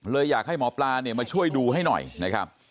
อยากให้หมอปลาเนี่ยมาช่วยดูให้หน่อยนะครับ